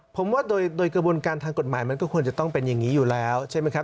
ผมว่าโดยกระบวนการทางกฎหมายมันก็ควรจะต้องเป็นอย่างนี้อยู่แล้วใช่ไหมครับ